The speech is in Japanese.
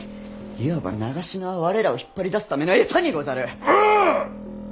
いわば長篠は我らを引っ張り出すための餌にござる！